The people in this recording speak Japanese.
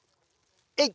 えい！